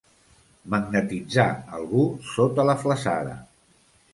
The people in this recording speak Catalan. Magnetitzar algú sota la flassada.